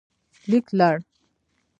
لیکلړ